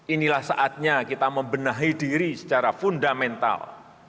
inilah saatnya kita membenahi diri secara fundamental